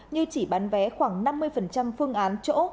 như chỉ bán vé khoảng năm mươi phương án chỗ